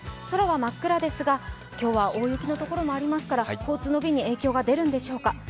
空は真っ暗ですが、今日は大雪の所もありますから交通の便に影響が出るんでしょうか。